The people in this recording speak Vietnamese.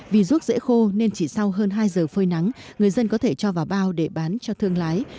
vì ruốc dễ khô nên chỉ sau hơn hai giờ phơi nắng người dân có thể cho vào bao để bán cho thương lái